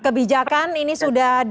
kebijakan ini sudah dilakukan